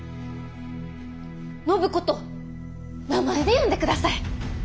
「暢子」と名前で呼んでください。